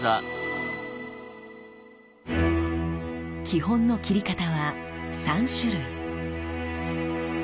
基本の斬り方は３種類。